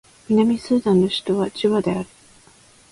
南スーダンの首都はジュバである